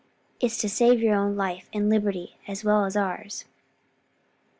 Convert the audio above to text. it's to save your own life and liberty as well as ours."